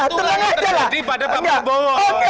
tentang yang terjadi pada pak prabowo